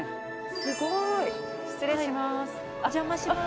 すごい！失礼します。